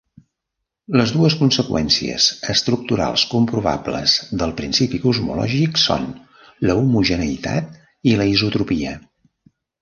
Les dues conseqüències estructurals comprovables del principi cosmològic són l'homogeneïtat i la isotropia.